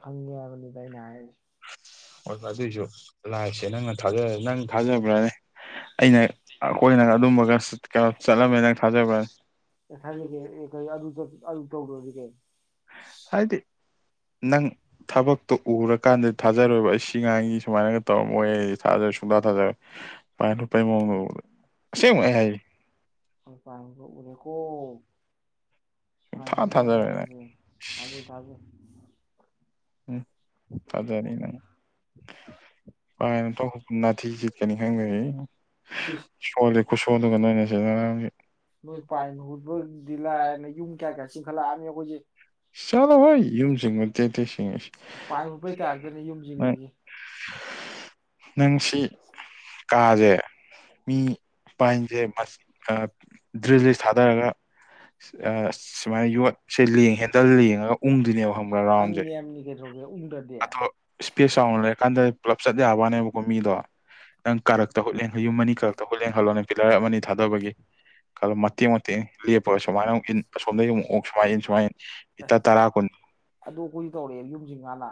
ꯈꯪꯒꯦꯕꯅꯤ ꯇꯥꯏꯅ ꯍꯣꯏ ꯑꯗꯨꯑꯣꯏꯁꯨ ꯂꯥꯏꯁꯦ ꯅꯪꯅꯥꯖ ꯅꯪ ꯊꯥꯖꯕ꯭ꯔꯅꯦ ꯑꯩꯅ ꯑꯩꯈꯣꯏꯅ ꯑꯗꯨꯝꯕꯒ ꯀꯩꯅꯣ ꯆꯠꯂꯝꯃꯦ ꯅꯪ ꯊꯥꯖꯕ ꯑꯦ ꯊꯥꯖꯒꯦ ꯑꯦ ꯀꯩ ꯑꯗꯨ ꯑꯗꯨ ꯇꯧꯔꯨꯔꯁꯤ ꯀꯩ ꯍꯥꯏꯗꯤ ꯅꯪ ꯊꯕꯛꯇꯣ ꯎꯔꯀꯥꯟꯗꯗꯤ ꯊꯥꯖꯔꯣꯏꯕ ꯑꯩ ꯁꯤ ꯉꯥꯡꯒꯤ ꯁꯨꯃꯥꯏꯅꯒ ꯇꯧꯔꯝꯃꯣꯏ ꯊꯥ ꯁꯨꯗ ꯊꯥꯖꯦ ꯄꯥꯏ ꯄ ꯃ ꯄ ꯎꯅꯦꯀꯣ ꯑ ꯍꯗꯒꯁꯦ ꯀꯦ ꯇꯖꯦ ꯎꯝ ꯐꯗꯅꯤꯅ ꯄꯥꯏꯅ ꯇ ꯍ ꯅꯥ ꯊꯤꯖꯤꯠꯀꯅꯤ ꯈꯪꯖ ꯁꯣꯜꯂꯤ ꯈꯨꯁꯣꯜꯗꯨꯒ ꯅꯣꯏꯅꯁꯨ ꯉꯥꯔꯥꯡꯒꯤ ꯅꯣꯏ ꯄꯥꯏꯟ ꯍꯨꯠꯕꯒꯤꯗꯤ ꯂꯥꯏꯔꯅ ꯌꯨꯝꯒꯤ ꯆꯠꯂꯣꯍꯣꯏ ꯌꯨꯝꯁꯤꯡꯕꯗ ꯇꯦꯛ ꯇꯦꯛ ꯁꯤꯡ ꯅꯪ [unintelligible] ꯃꯤ ꯄꯥꯏꯟꯖꯦ ꯃꯆꯤꯟ ꯈꯔ ꯗ꯭ꯔꯤꯜꯁꯤ ꯊꯥꯗꯔꯒ ꯑꯥ ꯁꯨꯃꯥꯏꯅ ꯌꯣꯠꯁꯦ ꯂꯦꯡ ꯍꯦꯟꯗꯜ ꯂꯦꯡꯉꯒ ꯎꯡꯗꯣꯏꯅꯦꯕ ꯈꯪꯕ꯭ꯔꯥ ꯔꯥꯎꯟꯖꯦ [unintelligible] ꯑꯗꯣ ꯏꯁꯄꯦꯁ ꯆꯥꯎꯅ ꯂꯩꯔꯀꯥꯟꯗꯗꯤ ꯄꯨꯂꯞ ꯆꯠ ꯌꯥꯕ꯭ꯋꯥꯅꯦꯕꯀꯣ ꯃꯤꯗꯣ ꯅꯪ ꯀꯥꯔꯛꯇ ꯍꯨꯠꯂꯦꯟ ꯌꯨꯝ ꯑꯅꯤ ꯀꯥꯔꯛꯇ ꯍꯨꯠꯂꯦꯡ ꯈꯜꯂꯣꯅꯦ ꯄꯤꯂꯔ ꯑꯃꯅꯤ ꯊꯥꯗꯕꯒꯤ ꯈꯜꯂꯣ ꯃꯇꯦꯛ ꯃꯇꯦꯛꯅꯤ ꯂꯦꯞꯄꯒ ꯁꯨꯃꯥꯏꯅ ꯑꯃꯨꯛ ꯢꯟ ꯑꯁꯣꯝꯗꯒꯤ ꯑꯃꯨꯛ ꯑꯣꯛ ꯁꯨꯃꯥꯏꯅ ꯏꯟ ꯁꯨꯃꯥꯏ ꯢꯟ ꯂꯤꯇ ꯇꯔꯥ ꯀꯨꯟ ꯑꯗꯨ ꯑꯩꯈꯣꯏꯖꯨ ꯇꯧꯔꯛꯑꯦꯕ ꯌꯨꯝ ꯆꯤꯡꯀꯟꯗꯥ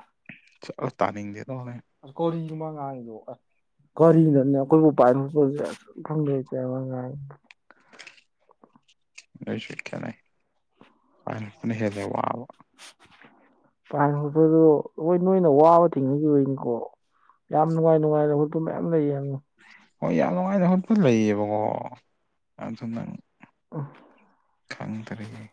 ꯆꯠꯂꯣ ꯇꯥꯅꯤꯡꯗꯦꯗ [unintelligible] ꯃꯉꯥꯡꯉꯤꯗꯣ ꯑꯥ ꯀꯔꯤꯅꯅꯣ ꯑꯩꯈꯣꯏꯕꯨ [unintelligible] [unintelligible] ꯋꯥꯍꯦꯛꯄꯅ ꯍꯦꯜꯂꯦ ꯋꯥꯕ ꯄ꯭ꯂꯥꯢ ꯍꯨꯠꯄꯗꯣ ꯍꯣꯏ ꯅꯣꯏꯅ ꯋꯥꯕ ꯊꯦꯡꯅꯈꯤꯕꯩꯅꯤꯀꯣ ꯌꯥꯝ ꯅꯨꯡꯉꯥꯏ ꯅꯨꯡꯉꯥꯏꯅ ꯍꯨꯠꯄ ꯃꯌꯥꯝ ꯂꯩꯖꯅꯤ ꯍꯣꯏ ꯌꯥꯝ ꯅꯨꯡꯉꯥꯏꯅ ꯍꯨꯠꯄ ꯂꯩꯌꯦꯕꯀꯣ ꯑꯗꯨ ꯅꯪ ꯎ ꯈꯪꯇꯔꯦꯍꯦ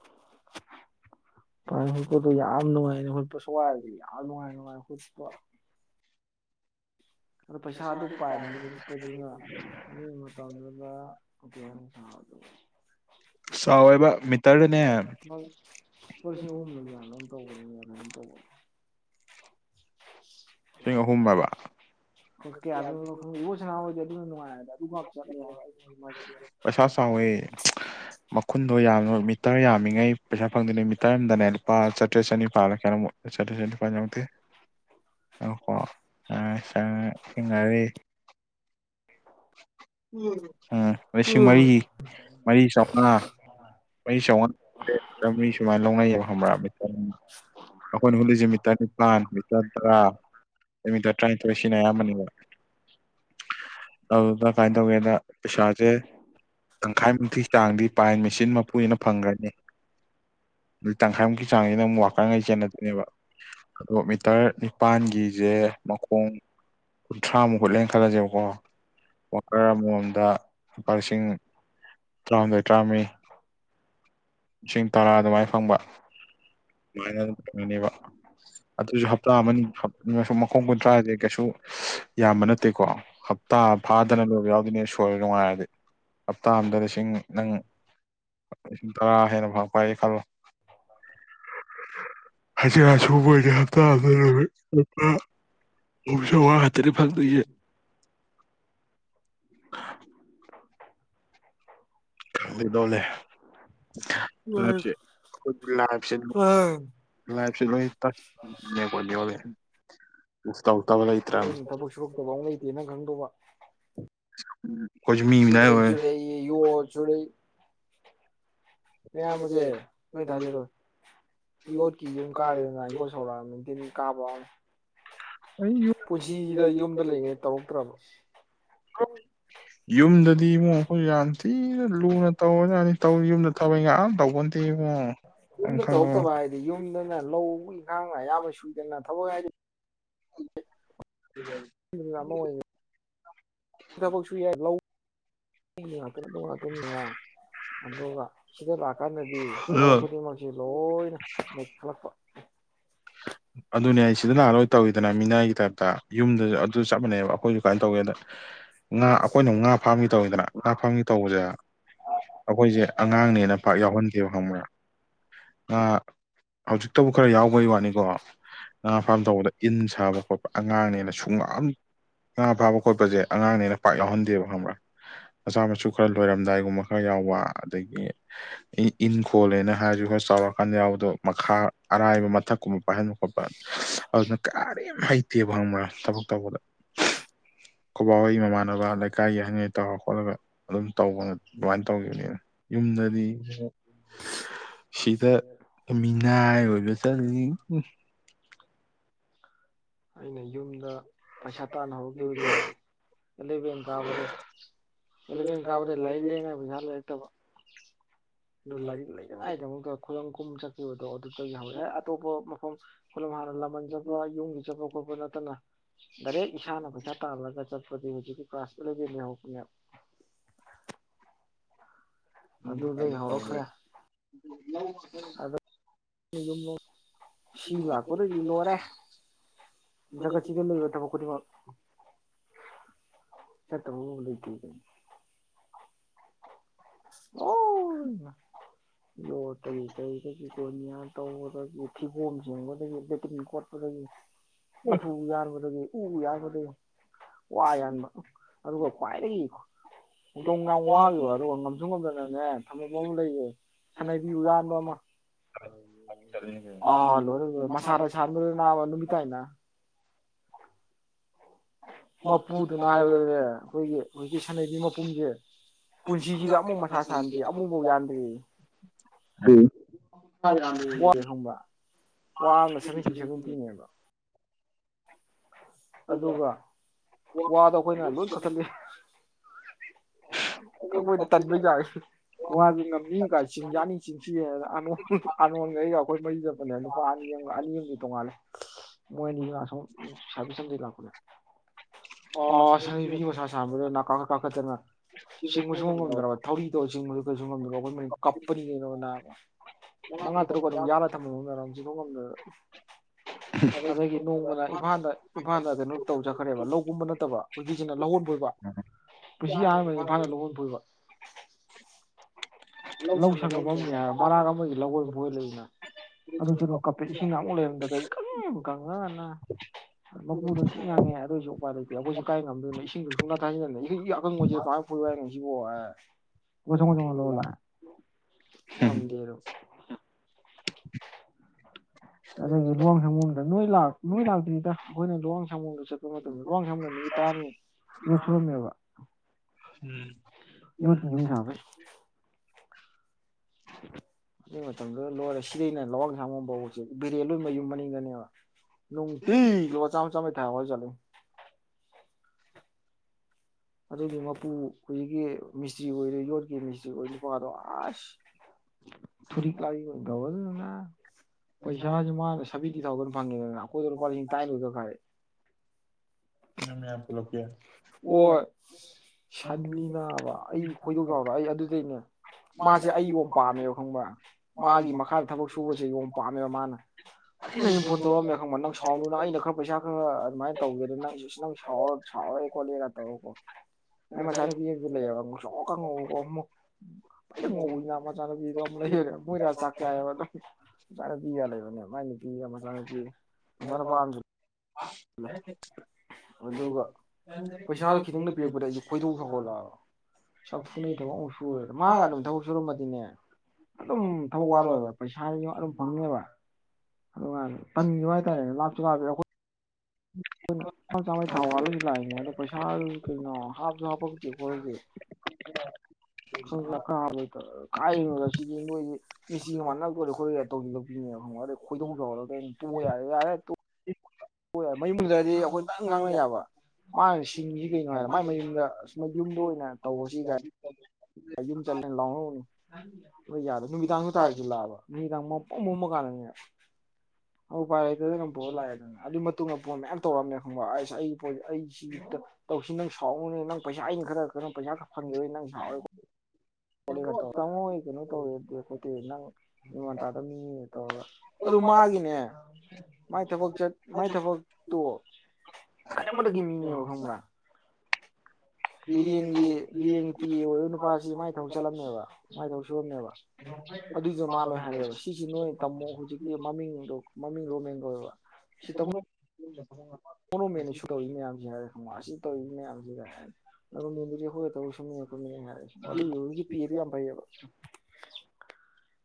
ꯄꯥꯏ ꯍꯨꯠꯄꯗꯣ ꯌꯥꯝ ꯅꯨꯡꯉꯥꯏꯅ ꯍꯨꯠꯄ ꯁꯨ ꯋꯥꯏꯗꯤ ꯌꯥꯝ ꯅꯨꯡꯉꯥꯏ ꯅꯨꯡꯉꯥꯏ ꯍꯨꯠꯄ ꯑꯗ ꯄꯩꯁꯥꯗꯨ ꯄꯥꯏꯟ ꯍꯨꯠꯄꯩꯗꯨꯅ ꯑꯗꯨꯒꯤ ꯃꯇꯝꯗꯨꯗ [unintelligible] ꯆꯥꯎꯋꯦꯕ ꯃꯤꯠ ꯅꯣꯢ ꯂꯨꯄꯥ ꯂꯥꯁꯤꯡ ꯑꯍꯨꯝ ꯀꯌꯥꯅꯣꯝꯃ ꯇꯧꯕꯅꯤꯅꯦ [unintelligible] ꯂꯤꯁꯤꯡ ꯑꯍꯨꯝ ꯍꯥꯢꯕ [unintelligible] ꯄꯩꯁꯥ ꯆꯥꯎꯋꯦ ꯃꯈꯨꯟꯗꯣ ꯌꯥꯝꯅ ꯃꯤꯠ ꯇꯔ ꯌꯥꯝꯃꯤꯉꯩ ꯄꯩꯁꯥ ꯐꯪꯗꯣꯏꯅꯦ ꯃꯤꯇꯔ ꯑꯃꯗꯅꯦ ꯂꯨꯄꯥ ꯆꯥꯇꯦꯠ ꯆꯅꯤꯄꯥꯜꯂ ꯀꯌꯥꯅꯣꯝ [unintelligible] ꯊꯦꯡꯅꯔꯦ ꯑꯥ ꯂꯤꯁꯤꯡ ꯃꯔꯤ ꯃꯔꯤ ꯆꯥꯎ ꯑꯥ ꯃꯔꯤ ꯆꯥꯎꯉꯥ ꯆꯥꯃꯔꯤ ꯁꯨꯃꯥꯏꯅ ꯂꯧꯅꯩꯌꯦꯕ ꯈꯪꯕ꯭ꯔꯥ ꯃꯤꯇꯥꯔ ꯑꯃꯅ ꯑꯩꯈꯣꯏꯅ ꯍꯨꯠꯂꯤꯁꯦ ꯃꯤꯇꯔ ꯅꯤꯄꯥꯟ ꯃꯤꯇꯔ ꯇꯔꯥ ꯃꯤꯇꯔ ꯇꯔꯥꯅꯤꯊꯣꯏ ꯁꯤꯅ ꯑꯌꯥꯝꯕꯅꯦ ꯑꯗꯨꯗ ꯀꯃꯥꯏ ꯇꯧꯒꯦꯗ ꯄꯩꯁꯥꯖꯦ ꯇꯪꯈꯥꯏꯃꯨꯛꯀꯤ ꯆꯥꯡꯗꯤ ꯄꯥꯏꯟ ꯃꯦꯆꯤꯟ ꯃꯄꯨꯅꯤꯅ ꯐꯪꯒ꯭ꯔꯅꯤ ꯑꯗꯨꯣꯏ ꯇꯪꯈꯥꯏꯃꯨꯛꯀꯤ ꯆꯥꯡꯖꯤꯅ ꯑꯃꯨꯛ ꯋꯥꯀ꯭ꯔꯉꯩ ꯆꯦꯟꯅꯗꯣꯏꯅꯦꯕ ꯑꯗꯣ ꯃꯤꯇꯔ ꯅꯤꯄꯥꯜꯒꯤꯖꯦ ꯃꯈꯣꯡ ꯊꯔꯥꯃꯨꯛ ꯍꯨꯠꯂꯦꯅ ꯈꯜꯂꯖꯦꯕꯀꯣ ꯋꯥꯀꯔ ꯑꯃꯃꯝꯗ ꯂꯨꯄꯥ ꯂꯤꯁꯤꯡ ꯇꯔꯥꯍꯨꯝꯗꯣꯏ ꯇꯔꯥꯃꯔꯤ ꯂꯤꯁꯤꯡ ꯇꯔꯥ ꯑꯗꯨꯃꯥꯏ ꯐꯪꯕ ꯑꯗꯨꯃꯥꯢꯅ ꯇꯧꯅꯅꯤꯕ ꯑꯗꯨꯖꯨ ꯍꯞꯇꯥ ꯑꯃꯅꯤ ꯃꯈꯣꯡ ꯀꯨꯟꯊ꯭ꯔꯥꯗꯤ ꯀꯩꯁꯨ ꯌꯥꯝꯕ ꯅꯠꯇꯦꯀꯣ ꯍꯞꯇꯥ ꯐꯥꯗꯅ ꯂꯣꯏꯕ ꯌꯥꯎꯗꯣꯏꯅꯦ ꯁꯣꯏꯔ ꯅꯨꯡꯉꯥꯏꯔꯗꯤ ꯍꯞꯇꯥ ꯑꯝꯗ ꯂꯤꯁꯤꯡ ꯅꯪ ꯂꯤꯁꯤꯡ ꯇꯔꯥ ꯍ‌ꯦꯟꯅ ꯐꯪꯉꯛꯄ ꯍꯥꯏꯖꯦ ꯈꯜꯂꯣ ꯍꯖꯤꯔꯁꯨꯨꯕ ꯑꯣꯏꯔꯗꯤ ꯍꯞꯇꯥ ꯑꯃꯗ ꯅꯨꯃꯤꯠ ꯆꯧꯉꯥ ꯍꯛꯇꯅꯤ ꯐꯪꯗꯣꯏꯖꯦ [unintelligible] ꯑꯩꯈꯣꯏꯒꯤ ꯂꯥꯏꯞꯁꯦ ꯂꯥꯏꯐꯁꯨ ꯂꯣꯏ ꯇꯅꯦꯀꯣꯣꯂ ꯇꯧ ꯇꯕ ꯂꯩꯇ꯭ꯔꯅ‌ꯦ ꯀꯩꯐꯥꯎ ꯂꯩꯇꯦꯅ ꯈꯪꯗꯧꯕ ꯎꯝ ꯁꯨ ꯂꯩ ꯌꫭ ꯆꯨꯔ ꯑꯌꯥꯝꯕꯁꯦ ꯂꯣꯏ ꯊꯥꯖꯔꯣꯏ ꯌꯣꯠꯀꯤꯁꯨ ꯑꯗꯨꯝ ꯀꯥꯔꯦꯗꯅ ꯌꯣꯠ ꯁꯧꯔꯛꯑ ꯃꯦꯟꯇꯦꯜꯂꯤ ꯀꯥꯕ ꯄꯨꯟꯁꯤꯗ ꯌꯨꯝꯗ ꯂꯩꯉꯩ ꯇꯧꯔꯛꯇ꯭ꯔꯕ ꯌꯨꯝꯗꯗꯤ ꯏꯃꯨꯡ ꯑꯩꯈꯣꯏ ꯌꯥꯝ ꯊꯤꯅ ꯂꯨꯅ ꯇꯧꯒꯔ ꯖꯥꯠꯅꯤ ꯇꯧ ꯌꯨꯝꯗ ꯊꯕꯛꯏ ꯉꯥꯛ ꯒꯥꯡꯑ ꯇꯥꯎꯧꯕꯣꯟꯗꯤ ꯉꯣ ꯌꯨꯝꯗ ꯇꯧꯔꯛꯇꯕ ꯍꯥꯏꯗꯤ ꯌꯨꯝꯗꯨꯅ ꯂꯧ ꯏꯪꯈꯥꯡꯅ ꯑꯌꯥꯝꯕ ꯁꯨꯗꯅ ꯊꯕꯛ ꯍꯥꯏꯔꯤꯕ ꯎ ꯎꯝ ꯑꯃ ꯑꯣꯏ ꯊꯕꯛꯁꯨ ꯌꯥꯏ ꯂꯧ ꯃꯇꯨꯡꯅ ꯑꯗꯨꯒ ꯁꯤꯗ ꯂꯥꯛꯀꯥꯟꯗꯗꯤ ꯊꯕꯛ ꯈꯨꯗꯤꯡꯃꯛ ꯂꫭꯏꯅ ꯅꯩꯈꯠꯂꯛꯄ ꯑ ꯑꯗꯨꯅꯦ ꯑꯩ ꯁꯤꯗ ꯂꯍꯥꯟ ꯂꯣꯏ ꯇꯧꯋꯤꯗꯅ ꯃꯤꯅꯥꯏꯒꯤ ꯇꯥꯏꯞꯇ ꯌꯨꯝꯗꯁꯨ ꯑꯗꯨ ꯆꯠꯄꯅꯦꯕ ꯑꯩꯈꯣꯏꯁꯨ ꯀꯥꯏꯅ ꯇꯧꯒꯦꯗ ꯉꯥ ꯑꯩꯈꯣꯏꯅ ꯉꯥ ꯐꯥꯝꯒꯤ ꯇꯧꯋꯤꯗꯅ ꯥꯉꯥꯐꯝꯒꯤ ꯇꯧꯕꯁꯦ ꯑꯩꯈꯣꯏꯁꯦ ꯑꯉꯥꯡꯅꯦꯅ ꯄꯥꯛ ꯌꯥꯎꯍꯟꯗꯦꯕ ꯈꯪꯕ꯭ꯔꯥ ꯍꯧꯖꯤꯛꯇꯕꯨ ꯈꯔ ꯌꯥꯎꯕꯩ ꯋꯥꯅꯤ ꯀꯣ ꯉꯥ ꯐꯥꯝ ꯇꯧꯕꯗ ꯏꯟ ꯁꯥꯕ ꯈꯣꯠꯄ ꯑꯉꯥꯡꯅꯦꯅ ꯁꯨꯡꯉꯝ ꯉꯥ ꯐꯥꯕ ꯈꯣꯠꯄꯁꯦ ꯑꯉꯥꯡꯅꯦꯅ ꯄꯥꯛ ꯌꯥꯎꯍꯟꯗꯦꯕ ꯈꯪꯕ꯭ꯔꯥ ꯃꯆꯥ ꯃꯁꯨ ꯈꯔ ꯂꯣꯏꯔꯝꯗꯥꯏꯒꯨꯝꯕ ꯈꯔ ꯌꯥꯎꯕ ꯑꯗꯒꯤ ꯏꯟ ꯈꯣꯜꯂꯦꯅ ꯍꯥꯏꯔꯁꯤꯁꯨ ꯍꯣꯔꯣꯏ ꯆꯥꯎꯔꯥꯛꯀꯥꯟꯗ ꯌꯥꯎꯕꯗꯣ ꯃꯈꯥ ꯑꯔꯥꯏꯕ ꯃꯊꯛꯀꯨꯝꯕ ꯄꯥꯏꯍꯟꯕ ꯈꯣꯠꯄ ꯑꯗꯨꯅ ꯀꯔꯤꯝ ꯍꯩꯇꯦꯕ ꯍꯪꯕ꯭ꯔꯥ ꯊꯕꯛ ꯇꯧꯕꯗ ꯀꯣꯕꯥꯍꯩ ꯃꯃꯥꯟꯅꯕ ꯂꯩꯀꯥꯏꯒꯤ ꯑꯍꯟꯒꯩ ꯇꯧꯔ ꯈꯣꯠꯂꯒ ꯑꯗꯨꯝ ꯇꯧꯕꯅ ꯑꯗꯨꯃꯥꯏꯅ ꯇꯧꯈꯤꯕꯅꯤꯅ ꯌꯨꯝꯗꯗꯤ ꯁꯤꯗ ꯃꯤꯅꯥꯏ ꯑꯣꯏꯕ ꯆꯠꯂꯤꯉ ꯑꯩꯅ ꯌꯨꯝꯗ ꯄꯩꯁꯥ ꯇꯥꯟꯅꯍꯧꯈꯤꯕꯁꯦ ꯑꯦꯂꯚꯦꯟ ꯀꯥꯕꯗꯩ ꯏꯦꯟ ꯀꯥꯕꯗꯦ ꯂꯥꯏꯛ ꯂꯩꯉ ꯩꯁꯥ ꯂꯩꯔꯛꯇꯕ ꯑꯗꯨ ꯂꯥꯏꯔꯤꯛ ꯂꯩꯅꯉꯥꯏꯒꯤꯗꯃꯛꯇ ꯈꯔꯪ ꯀꯨꯝ ꯆꯠꯈꯤꯕꯗꯣ ꯑꯗꯨꯛꯇꯒꯤ ꯌꯧꯔꯛꯑ‌ꯦ ꯑꯇꯣꯞꯄ ꯃꯐꯝ ꯈꯨꯗꯝ ꯍꯥꯟꯅ ꯂꯃꯟ ꯆꯠꯄ ꯌꯨꯝꯒꯤ ꯆꯠꯄ ꯈꯣꯠꯄ ꯅꯠꯇꯅ ꯗꯥꯏꯔꯦꯛ ꯏꯁꯥꯅ ꯄꯩꯁꯥ ꯇꯥꯜꯂꯒ ꯆꯠꯄꯗꯤ ꯍꯧꯖꯤꯛꯀꯤ ꯀ꯭ꯂꯥꯁ ꯏꯂꯕ‌ꯦꯟ ꯗꯩ ꯍꯧꯔꯛꯇꯩꯅ‌ꯦꯕ ꯎꯝ ꯀ ꯐꯏ [unintelligible] ꯑꯗꯨꯨꯝ ꯁꯤꯕ ꯂꯥꯛꯄꯗꯒꯤ ꯂꫭꯏꯔ‌ꯦ ꯖꯒꯠꯁꯤ ꯗ ꯂꯩꯕ ꯊꯕꯛ ꯈꯨꯗꯤꯡꯃꯛ ꯆꯠꯇꯕꯕꯨ ꯂꯩꯇ‌ꯦ ꯀꯩꯅꫭ ꯂꫭꯏꯅ ꯂꯣꯔ ꯀꯔꯤ ꯀꯔꯤꯗꯒꯤ ꯀꯣꯅꯤꯌꯥ ꯇꯧꯕꯗꯒꯤ ꯐꯤꯒꯣꯝ ꯌꯦꯡꯕꯗꯒꯤ ꯂꯦꯇꯔꯤꯟ ꯈꯣꯠꯄꯗꯒꯤ [inaudible] ꯂꯐꯨ ꯌꯥꯔꯨꯗꯒꯤ ꯎ ꯌꯥꯎꯔꯨꯗꯒꯤ ꯋꯥ ꯌꯥꯟꯕ ꯑꯗꯨꯒ ꯈ꯭ꯋꯥꯏꯗꯒꯤ ꯈꯨꯗꯣꯡ ꯌꯥꯝ ꯋꯥꯈꯤꯕ ꯑꯗꯨꯒ ꯗꯅꯅꯦ ꯊꯝꯃꯐꯝ ꯑꯃ ꯂꯩꯌꯦ ꯁꯥꯟꯅꯕꯤ ꯎ ꯌꯥꯟꯕ ꯑꯃ ꯀꯩꯅ ꯑ ꯂꯣꯏꯔꯦ ꯃꯁꯥꯔ ꯁꯥꯔꯅꯥꯕ ꯅꯨꯃꯤꯠꯇꯥꯏꯅ ꯃꯄꯨꯗꯨꯅ ꯍꯥꯏꯕꯗꯅꯦ ꯑꯩꯈꯣꯏꯒꯤ ꯍꯧꯖꯤꯛꯀꯤ ꯁꯟꯅꯩꯕꯤ ꯃꯄꯨꯝꯁꯦ ꯄꯨꯟꯁꯤꯁꯤꯗ ꯑꯃꯨꯛ ꯃꯁꯥ ꯁꯍꯟꯗ꯭ꯔꯤ ꯑꯃꯨꯛꯐꯥꯎ ꯌꯥꯟꯗ꯭ꯔꯤ ꯈꯪꯕ ꯋꯥꯅ ꯁꯚꯦꯟꯇꯤ ꯁꯚꯦꯟꯇꯤꯅꯦꯕ ꯑꯗꯨꯒ ꯋꯥꯗꯣ ꯑꯩꯈꯣꯏꯅ ꯂꯣꯏ ꯀꯛꯊꯠꯂꯦ ꯑꯩꯈꯣꯏꯅ ꯇꯟꯕꯩ ꯆꯥꯡꯁꯦ ꯋꯥꯗꯤ ꯉꯝꯅꯤꯒ ꯆꯤꯡꯖꯥꯅꯤ ꯆꯤꯡꯁꯤꯅ ꯑꯥꯅꯣꯟꯒ ꯑꯩꯒ ꯑꯩꯈꯣꯏ ꯃꯔꯤ ꯆꯠꯄꯅꯦ ꯑ ꯋꯥꯥ ꯑꯅꯤ ꯑꯃꯒ ꯑꯅꯤ ꯑꯃꯗꯤ ꯇꯣꯡꯉꯥꯜꯂꯦ [inaudible] ꯃꯣꯏꯅꯤ ꯑꯁꯣꯝ [unintelligible] ꯗꯒꯤ ꯂꯥꯛꯄꯅꯦ ꯑ [unintelligible] ꯀꯥꯈꯠ ꯀꯥꯈꯠꯇꯅ ꯆꯤꯡꯕ ꯁꯨꯉꯝ ꯉꯝꯗ꯭ꯔꯕ ꯊꯧꯔꯤ ꯇꯧ ꯆꯤꯡꯕꯁꯨ ꯀꯩꯁꯨ ꯉꯝꯗ꯭ꯔꯕ ꯑꯩꯈꯣꯏꯃꯩ ꯀꯞꯄꯅꯤ ꯀꯩꯅꯣ ꯅꯥꯕꯥ [unintelligible] [unintelligible] ꯑꯗꯒꯤ ꯅꯣꯡꯃꯅ ꯏꯝꯐꯥꯜꯗ ꯏꯝꯐꯥꯜꯗ ꯀꯩꯅꯣ ꯇꯧꯆꯠꯈ꯭ꯔꯦꯕ ꯂꯧꯀꯨꯝꯕ ꯅꯠꯇꯕ ꯑꯩꯈꯣꯏꯒꯤꯁꯤꯅ ꯂꯧꯍꯣꯟ ꯐꯣꯏ ꯄꯨꯟꯁꯤꯒꯤ ꯑꯍꯥꯟꯕꯅꯤ ꯏꯝꯐꯥꯜꯗ ꯂꯧꯍꯣꯟ ꯐꯣꯏꯕ ꯂꯧ ꯁꯪꯒꯝ ꯑꯃꯅꯤ ꯍꯥꯏꯔ ꯃꯔꯥꯛ ꯑꯃꯒꯤ ꯂꯧꯍꯣꯟ ꯐꯣꯏ ꯂꯩꯗꯅ ꯑꯗꯨꯁꯨ ꯑꯗꯨꯝ ꯀꯞꯄꯦ ꯏꯁꯤꯡ ꯑꯃꯨꯛ ꯂꯩꯔꯝꯗꯗ ꯏꯀꯪ ꯀꯪꯉꯒ ꯅꯥ ꯃꯄꯨꯗꯨꯅ ꯊꯤꯅ ꯉꯥꯡꯉꯦ ꯑꯗꯣꯏꯁꯨ ꯎꯄꯥꯏ ꯂꯩ ꯑꯩꯈꯣꯏꯁꯨ ꯀꯥꯏ ꯉꯝꯗꯅ ꯏꯁꯤꯡꯗꯁꯨ ꯁꯨꯡꯊꯥ ꯊꯥꯖꯤꯟꯗꯅ ꯏꯁꯨ ꯑꯀꯪ ꯀꯪꯕꯁꯤꯗ ꯀꯃꯥꯏꯅ ꯐꯣꯏꯌꯨꯍꯥꯏꯅꯣ ꯁꯤꯕꯣ ꯂꯨꯄꯥ ꯆꯨꯉꯥ ꯆꯨꯉꯥ ꯂꯧꯔꯥ ꯂꯥꯛꯑꯦ ꯉꯝꯗꯦꯕꯥ ꯑꯗꯒꯤ ꯂꯨꯋꯥꯡꯁꯪꯐꯝ ꯑ ꯅꯣꯏ ꯅꯣꯏ ꯂꯥꯛꯇ꯭ꯔꯤꯗ ꯑꯩꯈꯣꯏꯅ ꯂꯨꯋꯥꯡ ꯁꯪꯕꯝꯗ ꯆꯠꯄ ꯃꯇꯝꯗ ꯂꯨꯋꯥꯡ ꯁꯪꯕꯝꯗ ꯅꯨꯃꯤꯠ ꯇꯔꯥꯅꯤ ꯌꯨꯝꯊꯪꯅꯕ ꯎꯝ [inaudible] ꯑꯗꯨꯏ ꯃꯇꯝꯗꯨꯗ ꯂꯣꯏꯔꯦ ꯁꯤꯗꯩꯅ ꯂꯨꯋꯥꯡ ꯁꯪꯕꯝꯐꯥꯎ ꯆꯠ ꯕꯤꯔꯦꯜ ꯍꯣꯏ ꯃꯌꯨꯝ ꯃꯅꯤꯡꯗꯅꯦꯕ ꯅꯨꯡꯇꯤꯒꯤ ꯂꯨꯄꯥ ꯆꯥꯝꯃ ꯆꯥꯝꯃꯩ ꯊꯩꯎ ꯍꯥꯜꯂꯒ ꯆꯠꯂꯤ ꯑꯗꯨꯒꯤ ꯃꯄꯨ ꯍꯧꯖꯤꯛꯀꯤ ꯃꯤꯁꯇ꯭ꯔꯤ ꯑꯣꯏꯔꯤ ꯌꯣꯠꯀꯤ ꯃꯤꯁꯇ꯭ꯔꯤ ꯑꯣꯏꯔꯤ ꯅꯨꯄꯥꯗꯣ ꯑꯁ ꯊꯨꯔꯤꯛ ꯂꯥꯔꯤꯛ ꯑꯣꯏꯅ ꯇꯧꯔꯗꯅ ꯅꯥꯕ ꯄꯩꯁꯥꯁꯤ ꯃꯥꯅ ꯁꯚꯦꯟꯇꯤ ꯊꯥꯎꯖꯟ ꯐꯪꯉꯦꯗꯅ ꯑꯩꯈꯣꯏꯗ ꯂꯨꯄꯥ ꯂꯤꯁꯤꯡ ꯇꯔꯥꯅꯤꯊꯣꯏ ꯈꯛ ꯈꯥꯏꯔꯛꯏ ꯍꯣꯏ ꯁꯟꯅꯤ ꯅꯥꯕ ꯑꯩ ꯈꯣꯏꯗꯧ ꯁꯥꯎꯒꯠꯂꯥꯕ ꯑꯩ ꯑꯗꯨꯗꯩꯅꯦ ꯃꯥꯁꯦ ꯑꯩ ꯌꯥꯝ ꯄꯥꯝꯃꯦꯕ ꯈꯪꯕꯔ ꯃꯥꯒꯤ ꯃꯈꯥꯗ ꯊꯕꯛ ꯁꯨꯕꯁꯤ ꯌꯥꯝ ꯄꯥꯝꯃꯦꯕ ꯃꯥꯅ ꯍꯟꯖꯤꯟ ꯍꯟꯖꯤꯟ ꯐꯣꯟ ꯇꯧꯔꯛꯑꯝꯃꯦ ꯈꯡꯉꯕ ꯅꯪ ꯁꯥꯎꯅꯨꯅ ꯑꯩꯅ ꯄꯩꯁꯥ ꯈꯔ ꯑꯗꯨꯃꯥꯏꯅ ꯇꯧꯒꯦꯗꯅ ꯅꯪꯁꯤꯁꯨ ꯅꯪ ꯁꯥꯎꯋꯦ ꯁꯥꯎꯔꯦ ꯈꯣꯠꯂꯦꯒ ꯇꯧꯔꯒꯀꯣ ꯃꯥꯏ ꯃꯆꯥ ꯅꯨꯨꯄꯤ ꯑꯃꯁꯨ ꯂꯩꯌꯦꯕ ꯉꯧꯁꯣꯛ ꯀ ꯉꯧꯔꯒ ꯐꯖꯅ ꯉꯧꯋꯤ ꯅꯥꯕ ꯃꯆꯥꯅꯕꯤꯗꯣ ꯃꯣꯏꯗ ꯆꯥꯛ ꯆꯥꯏꯕ ꯑꯗꯨꯝ ꯃꯆꯥ ꯅꯨꯄꯤꯒ ꯂꯩꯕꯅꯦ ꯃꯥꯏ ꯅꯨꯄꯤ ꯃꯆꯥ ꯅꯨꯨꯄꯤ ꯃꯆꯥꯅꯨꯄꯥ ꯑꯃꯖꯨ ꯑꯗꯨꯒ ꯄꯩꯁꯥꯗꯣ ꯈꯤꯇꯪꯗ ꯄꯤꯔꯛꯄꯗ ꯑꯩꯁꯦ ꯈꯣꯏꯗꯧ ꯁꯥꯎꯒꯠꯂꯛꯑꯕ ꯆꯥꯛꯊꯨꯅꯤ ꯊꯕꯛ ꯑꯃꯨꯛ ꯁꯨꯔꯣꯏꯗ ꯃꯥꯒ ꯑꯗꯨꯝ ꯊꯕꯛ ꯁꯨꯔꯝꯃꯗꯤꯅꯦ ꯑꯗꯨꯝ ꯊꯕꯛ ꯋꯥꯠꯂꯣꯏꯕ ꯄꯩꯁꯥꯁꯤꯁꯨ ꯑꯗꯨꯝ ꯐꯪꯅꯦꯕ ꯑꯗꯨ ꯅꯍꯥꯟ ꯇꯟꯈꯤꯕ ꯍꯥꯏꯇꯥꯔꯦꯅꯦ ꯂꯥꯞꯁꯨ ꯂꯥꯞꯄꯦꯕ ꯑꯩꯈꯣꯏ ꯑꯩꯈꯣꯏꯅ ꯂꯨꯄꯥ ꯆꯥꯝꯃꯩ ꯊꯥꯎ ꯍꯥꯜꯂꯒ ꯂꯥꯛꯏꯅꯦ ꯑꯗꯣ ꯄꯩꯁꯥꯁꯨ ꯀꯩꯅꯣ ꯍꯥꯞꯁꯨ ꯍꯥꯞꯄꯛꯇꯦ ꯈꯣꯠꯂꯛꯇꯦ [unintelligible] ꯂꯩꯇꯕ ꯀꯥꯏꯗꯩꯅꯣꯗ ꯁꯤꯗꯤ ꯃꯣꯏꯒꯤ ꯃꯤꯁꯇ꯭ꯔ꯭ꯤꯒ ꯃꯅꯥꯔ ꯑꯩꯈꯣꯏꯗꯒ ꯇꯧꯖꯤꯜꯄꯤꯅꯦꯕ ꯈꯪꯉꯕ ꯑꯗꯩꯩ ꯈꯣꯏꯗꯧꯁꯥꯎꯒꯜꯂꯛꯇ ꯑꯩꯅ ꯇꯣꯛꯑꯣ ꯌꯥꯔꯦ ꯌꯥꯔꯦ ꯇꯣꯛ [inaudible] ꯍꯣꯏ ꯌꯥꯏ ꯃꯌꯨꯝꯗ ꯂꯩꯔꯗꯤ ꯑꯩꯈꯣꯏ ꯐꯖꯅ ꯉꯥꯡꯅ ꯌꯥꯕ ꯃꯥꯅ ꯁꯤꯡꯁꯤ ꯀꯩꯅꯣ ꯍꯥꯏꯌꯨꯔ ꯃꯒꯤ ꯃꯌꯨꯝꯗ ꯑꯁ ꯃꯌꯨꯝꯗ ꯑꯣꯏꯅ ꯇꯧꯔꯁꯤ ꯒꯥꯏ ꯌꯨꯝ ꯆꯠꯂ ꯂꯥꯎꯑꯣ ꯃꯣꯏ ꯌꯥꯗꯦ ꯅꯨꯃꯤꯗꯥꯡꯁꯨ ꯇꯥꯁꯤꯜꯂꯥꯛꯑꯕ ꯅꯨꯃꯤꯗꯥꯡ ꯃꯝ ꯄꯨꯡꯃꯝꯃꯝ ꯃꯛꯀꯥꯟꯗ ꯅꯤꯅ ꯎꯄꯥꯏ ꯂꯩꯇꯗ ꯑꯗꯨꯝ ꯄꯨꯔ ꯂꯥꯛꯑꯦꯗꯅ ꯑꯗꯨꯏ ꯇꯨꯡꯅ ꯐꯣꯟꯠ ꯃꯌꯥꯝ ꯇꯧꯔꯝꯃꯦ ꯈꯪꯕꯔꯥ ꯑꯩꯁ ꯑꯩꯒꯤ ꯄꯣꯠ ꯑꯩ ꯁꯤ ꯇꯧꯁꯤ ꯅꯪ ꯁꯥꯎꯅꯩꯅꯦ ꯅꯪ ꯄꯩꯁꯥ ꯑꯩꯅ ꯈꯔ ꯀꯩꯅꯣ ꯄꯩꯁꯥ ꯈꯔ ꯐꯪꯈꯤꯕꯩ ꯅꯪ ꯁꯥꯎꯋꯦ ꯈꯣꯠꯂꯦꯒꯥ ꯇꯧ ꯇꯥꯃꯣ ꯑꯩ ꯀꯩꯅꯣ ꯇꯧꯏ [unintelligible] ꯅꯪ ꯃꯦꯟꯃꯥꯟ ꯇꯥꯗꯕ ꯃꯤꯅ ꯇꯧꯔꯒ ꯑꯗꯨ ꯃꯥꯒꯤꯅꯦ ꯃꯥꯏ ꯊꯕꯛ ꯆꯠ ꯃꯥꯏ ꯊꯕꯛ ꯇꯣ ꯈꯗꯔ꯭ꯛ ꯃꯗ꯭ꯔꯛꯀꯤ ꯃꯤꯅꯦꯕ ꯈꯪꯕ꯭ꯔꯥ ꯕꯤꯔꯦꯟꯒꯤ ꯕꯤꯔꯦꯟꯒꯤ ꯄꯤ ꯑꯣꯏꯕ ꯅꯨꯄꯥꯁꯤ ꯃꯥꯏ ꯊꯕꯛ ꯆꯠꯂꯝꯃꯦꯕ ꯃꯥꯏ ꯊꯧ ꯁꯨꯔꯝꯃꯦꯕ ꯑꯗꯨꯏꯁꯨ ꯃꯥ ꯂꯣꯏ ꯍꯥꯏꯔꯛꯑꯦꯕ ꯁꯤꯁꯤ ꯅꯣꯏ ꯇꯃꯣ ꯍꯧꯖꯤꯛꯀꯤ ꯃꯃꯤꯡꯗꯣ ꯃꯃꯤꯡ ꯔꯣꯃꯦꯟ ꯀꯧꯏꯕ ꯁꯤ ꯇꯃ [inaudible] ꯃꯣꯔꯅꯣꯃꯦꯟꯁꯨ ꯇꯧꯔꯤ ꯃꯌꯥꯝꯁꯤꯦ ꯍꯥꯏꯔꯦꯃꯥꯁꯤ ꯇꯧꯔꯤꯕ ꯃꯌꯥꯝꯁꯤ ꯀ ꯍꯥꯏ ꯑ ꯃꯦꯟꯗꯨꯗꯤ ꯑꯩꯈꯣꯏ ꯇꯧ ꯁꯨꯝꯃꯦ ꯈꯣꯠ ꯍꯥꯏꯔꯦ ꯑꯗꯨ ꯍꯧꯗꯤ ꯄꯤꯗꯤ ꯌꯥꯝ ꯐꯩꯌꯦꯕ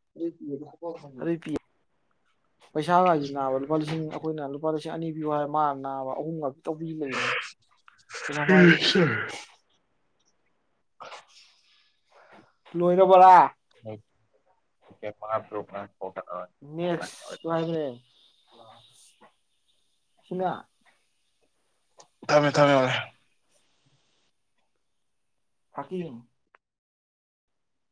[unintelligible] ꯄꯩꯁꯥꯒꯒꯤ ꯅꯥꯕ ꯂꯨꯄꯥ ꯂꯤꯁꯤꯡ ꯑꯩꯈꯣꯏꯅ ꯂꯨꯄꯥ ꯂꯤꯁꯤꯡ ꯑꯅꯤ ꯄꯤꯌꯨ ꯍꯥꯏ ꯃꯥꯅ ꯅꯥꯕ ꯑꯍꯨꯝ ꯉꯇ ꯇꯧꯕꯤ ꯂꯩꯅ ꯄꯁꯥꯄꯥꯗ ꯑ ꯔꯨꯄꯥ ꯅꯦꯛꯁ ꯂꯕ꯭ꯔꯅꯦ ꯁꯤꯅ ꯊꯝꯃꯦ ꯊꯝꯃꯦꯦ ꯍꯀꯤꯝ